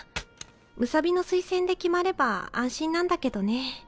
武蔵美の推薦で決まれば安心なんだけどね。